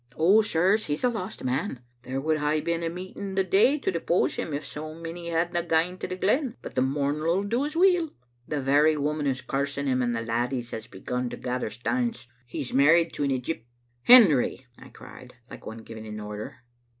Oh, sirs, he's a lost man. There would hae been a meeting the day to depose him if so many hadna gaen to the glen. But the morn'll do as weel. The very women is cursing him, and the laddies has begun to gather stanes. He's married on an Egyp "" Hendry I" I cried, like one giving an order.